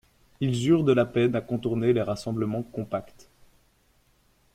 Ils eurent de la peine à contourner les rassemblements compacts.